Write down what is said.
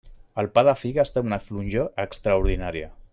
El pa de figues té una flonjor extraordinària.